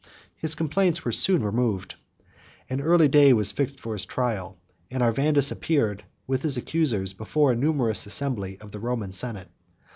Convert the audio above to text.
His complaints were soon removed. An early day was fixed for his trial; and Arvandus appeared, with his accusers, before a numerous assembly of the Roman senate.